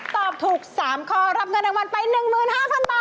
ตอบถูก๓ข้อรับเงินรางวัลไป๑๕๐๐๐บาท